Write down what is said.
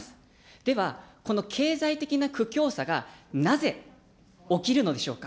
では、この経済的な苦境さが、なぜ起きるのでしょうか。